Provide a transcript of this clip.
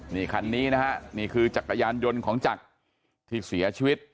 นี่คันนี้นะฮะนี่คือจักรยานยนต์ของจักรที่เสียชีวิต